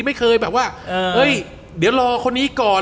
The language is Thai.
ไม่เคยแบบว่าเฮ้ยเดี๋ยวรอคนนี้ก่อน